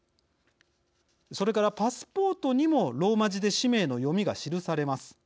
それからパスポートにもローマ字で氏名の読みが記されます。